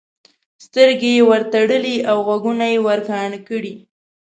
سترګې یې ورتړلې او غوږونه یې ورکاڼه کړي.